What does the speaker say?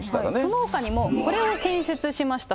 そのほかにも、これを建設しました。